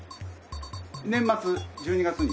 年末１２月に。